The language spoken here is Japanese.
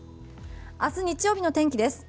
明日、日曜日の天気です。